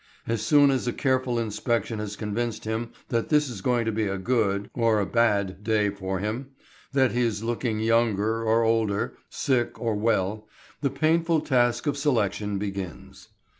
As soon as a careful inspection has convinced him that this is going to be a good or a bad day for him, that he is looking younger or older, sick or well, the painful task of selection begins.